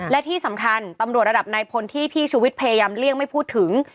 และที่สำคัญตำรวจระดับนายพลที่พี่ชุวิตพยายามเลี่ยงไม่พูดถึง